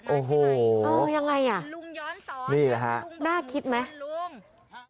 โอ้โฮยังไงอ่ะนี่แหละฮะน่าคิดไหมโอ้โฮ